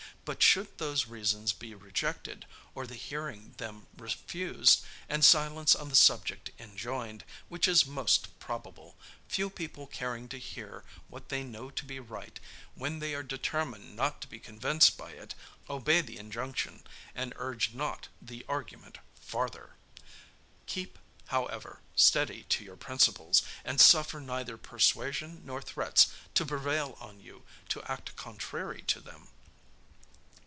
But should those reasons be rejected, or the hearing them refused, and silence on the subject enjoined, which is most probable, few people caring to hear what they know to be right, when they are determined not to be convinced by it obey the injunction, and urge not the argument farther. Keep, however, steady to your principles, and suffer neither persuasion nor threats to prevail on you to act contrary to them.